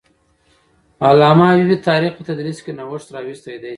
علامه حبيبي د تاریخ په تدریس کې نوښت راوستی دی.